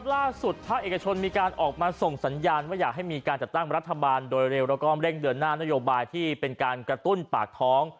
ภาคเอกชนมีการออกมาส่งสัญญาณว่าอยากให้มีการจัดตั้งรัฐบาลโดยเร็วแล้วก็เร่งเดินหน้านโยบายที่เป็นการกระตุ้นปากท้อง